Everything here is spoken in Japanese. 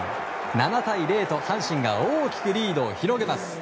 ７対０と阪神が大きくリードを広げます。